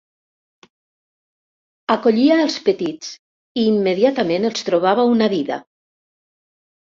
Acollia els petits i immediatament els trobava una dida.